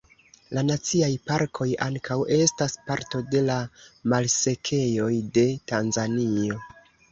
La naciaj parkoj ankaŭ estas parto de la malsekejoj de Tanzanio.